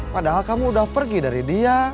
padahal kamu sudah pergi dari dia